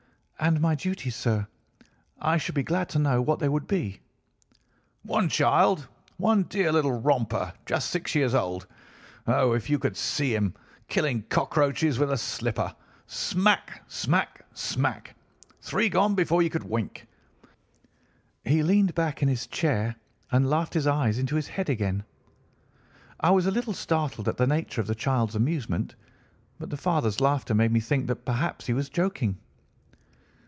"'And my duties, sir? I should be glad to know what they would be.' "'One child—one dear little romper just six years old. Oh, if you could see him killing cockroaches with a slipper! Smack! smack! smack! Three gone before you could wink!' He leaned back in his chair and laughed his eyes into his head again. "I was a little startled at the nature of the child's amusement, but the father's laughter made me think that perhaps he was joking.